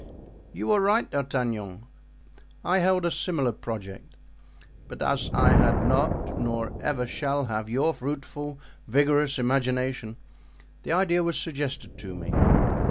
"You are right, D'Artagnan; I held a similar project, but as I had not nor ever shall have your fruitful, vigorous imagination, the idea was suggested to me.